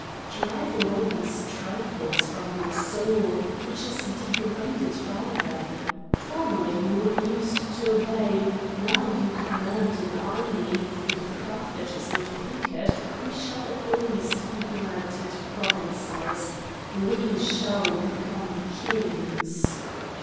"Drive away these trifles from your soul, which is degraded by them! Formerly you were used to obey; now you command an army, and if Carthage is not conquered we shall at least be granted provinces. We shall become kings!"